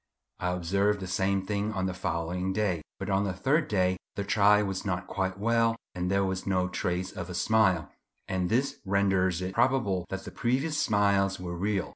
I observed the same thing on the following day; but on the third day the child was not quite well and there was no trace of a smile, and this renders it probable that the previous smiles were real.